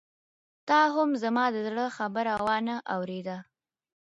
تا هم زما د زړه خبره وانه اورېده.